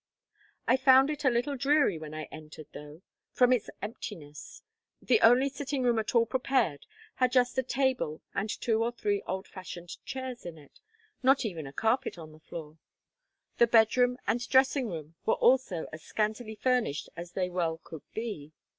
I found it a little dreary when I entered though, from its emptiness. The only sitting room at all prepared had just a table and two or three old fashioned chairs in it; not even a carpet on the floor. The bedroom and dressing room were also as scantily furnished as they well could be.